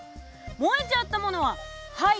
燃えちゃったものは灰。